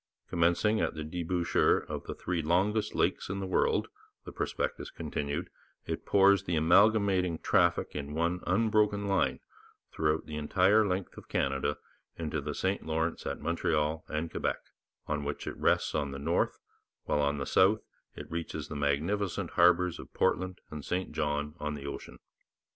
'Commencing at the debouchere of the three longest lakes in the world,' the prospectus continued, 'it pours the accumulating traffic in one unbroken line throughout the entire length of Canada into the St Lawrence at Montreal and Quebec, on which it rests on the north, while on the south it reaches the magnificent harbours of Portland and St John on the ocean.'